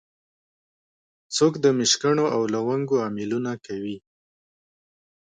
څوک د مشکڼو او لونګو امېلونه کوي